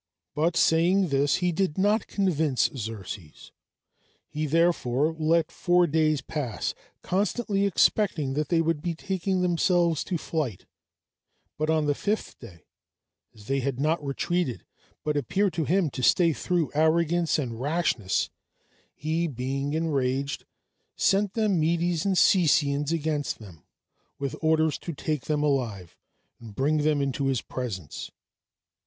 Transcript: By saying this he did not convince Xerxes. He therefore let four days pass, constantly expecting that they would be taking themselves to flight; but on the fifth day, as they had not retreated, but appeared to him to stay through arrogance and rashness, he, being enraged, sent the Medes and Cissians against them, with orders to take them alive, and bring them into his presence.